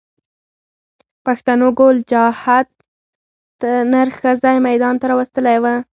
پښتنو ګل چاهت نر ښځی ميدان ته را وستلی و